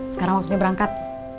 sekarang waktunya berangkat